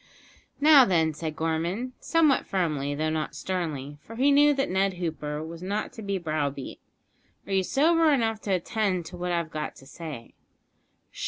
"Now, then," said Gorman, somewhat firmly, though not sternly, for he knew that Ned Hooper was not to be browbeat; "are you sober enough to attend to what I've got to say?"